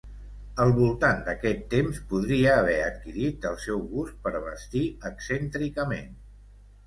Al voltant d'aquest temps podria haver adquirit el seu gust per vestir excèntricament.